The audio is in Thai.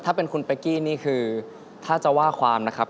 ถ้าเป็นคุณเป๊กกี้นี่คือถ้าจะว่าความนะครับ